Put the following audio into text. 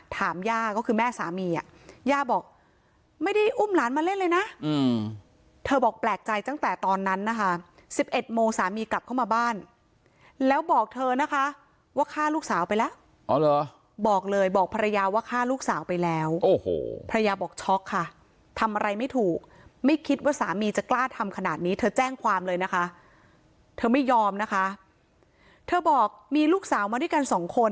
ถามยาก็คือแม่สามีอ่ะยาบอกไม่ได้อุ้มหลานมาเล่นเลยนะอืมเธอบอกแปลกใจจั้งแต่ตอนนั้นนะคะสิบเอ็ดโมงสามีกลับเข้ามาบ้านแล้วบอกเธอนะคะว่าฆ่าลูกสาวไปแล้วอ๋อเหรอบอกเลยบอกภรรยาว่าฆ่าลูกสาวไปแล้วโอ้โหภพรรยาบอกช็อกค่ะทำอะไรไม่ถูกไม่คิดว่าสามีจะกล้าทำขนาดนี้เธอแจ้งความเลยนะคะเธอไม่ย